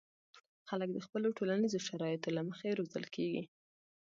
خلک د خپلو ټولنیزو شرایطو له مخې روزل کېږي.